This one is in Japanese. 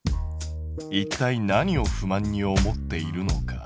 いったい何を不満に思っているのか。